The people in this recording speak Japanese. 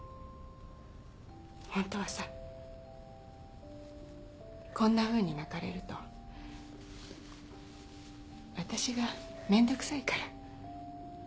ホントはさこんなふうに泣かれると私がめんどくさいから